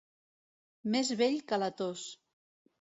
Més vell que la tos.